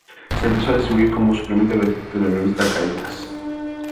Se empezó a distribuir como suplemento gratuito de la revista "Caretas".